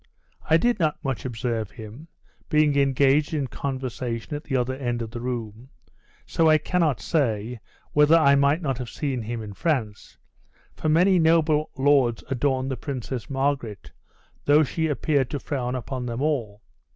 I did not much observe him, being engaged in conversation at the other end of the room; so I cannot say, whether I might not have seen him in France; for many noble lords adored the Princess Margaret, though she appeared to frown upon them all.